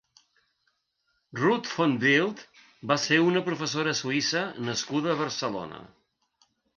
Ruth von Wild va ser una professora suïssa nascuda a Barcelona.